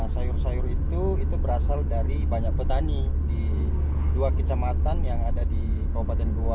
sayur sayur itu itu berasal dari banyak petani di dua kecamatan yang ada di kabupaten goa